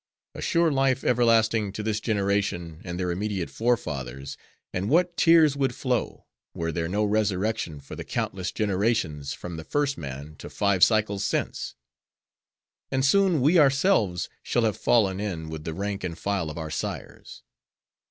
Assure life everlasting to this generation, and their immediate forefathers—and what tears would flow, were there no resurrection for the countless generations from the first man to five cycles since? And soon we ourselves shall have fallen in with the rank and file of our sires.